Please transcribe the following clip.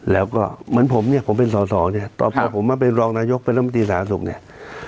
แล้วก็เหมือนผมเนี่ยผมเป็นสอสอเนี่ยพอผมมาเป็นรองนายกเป็นรัฐมนตรีสาธารณสุขเนี่ย